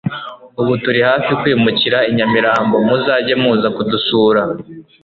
ubu turi hafi kwimukira inyamirambo muzajye muza kudusura